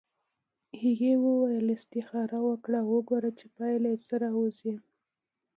هغې وویل استخاره وکړه او وګوره چې پایله یې څه راوځي.